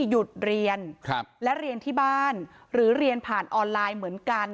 หยุดเรียนและเรียนที่บ้านหรือเรียนผ่านออนไลน์เหมือนกัน